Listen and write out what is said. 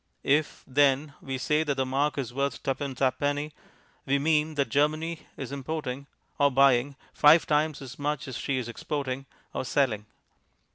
If, then, we say that the mark is worth tuppence ha'penny, we mean that Germany is importing (or buying) five times as much as she is exporting (or selling).